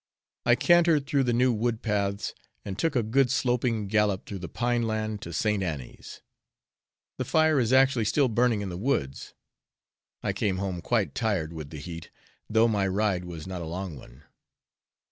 I cantered through the new wood paths, and took a good sloping gallop through the pine land to St. Annie's. The fire is actually still burning in the woods. I came home quite tired with the heat, though my ride was not a long one.